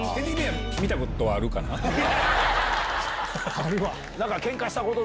あるわ！